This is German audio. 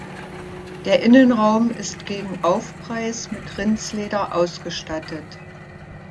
Der Innenraum ist gegen Aufpreis mit Rindsleder ausgestattet.